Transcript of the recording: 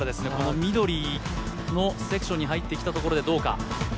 緑のセクションに入ってきたところでどうか。